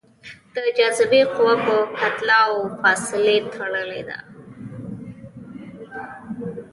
د جاذبې قوه په کتله او فاصلې تړلې ده.